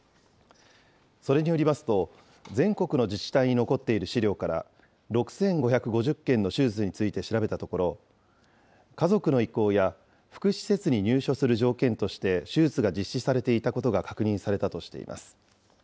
それによりますと、全国の自治体に残っている資料から、６５５０件の手術について調べたところ、家族の意向や福祉施設に入所する条件として手術が実施されていたことが確認されたとしています。